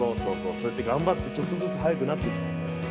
そうやって頑張って、ちょっとずつ速くなってきた。